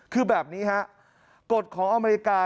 คือแบบนี้ฮะกฎของอเมริกา